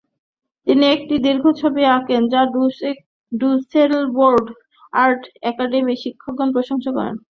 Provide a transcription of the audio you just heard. তিনি একটি ছবি আঁকেন যা ডুসেলডোর্ফ আর্ট একাডেমির শিক্ষকগণ প্রশংসা করেন।